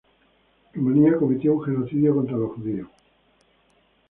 Rumania cometió un genocidio contra los judíos.